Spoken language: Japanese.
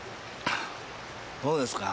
そうですか。